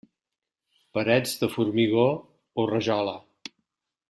Parets de formigó o rajola.